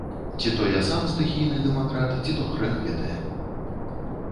Ці то я сам стыхійны дэмакрат, ці то хрэн ведае.